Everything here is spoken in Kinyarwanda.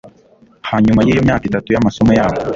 hanyuma y'iyo myaka itatu y'amasomo yabo